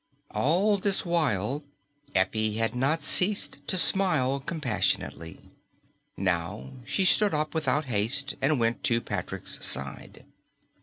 All this while Effie had not ceased to smile compassionately. Now she stood up without haste and went to Patrick's side.